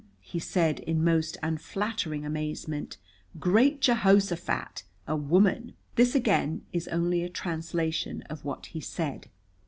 he said in most unflattering amazement. "Great Jehoshaphat, a woman!" This again is only a translation of what he said.